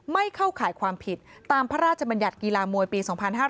เข้าข่ายความผิดตามพระราชบัญญัติกีฬามวยปี๒๕๕๙